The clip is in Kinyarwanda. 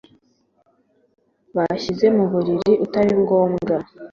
bashyize mu mubiri utari ngombwa